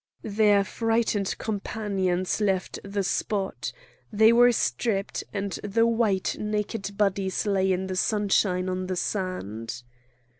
Their frightened companions left the spot. They were stripped, and the white, naked bodies lay in the sunshine on the sand.